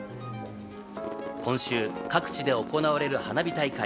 今週、各地で行われる花火大会。